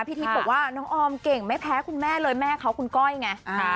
ทิศบอกว่าน้องออมเก่งไม่แพ้คุณแม่เลยแม่เขาคุณก้อยไง